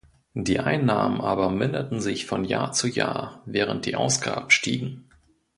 Die Einnahmen aber minderten sich von Jahr zu Jahr, während die Ausgaben stiegen.